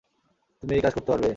তুমি এই কাজ করতে পারবে?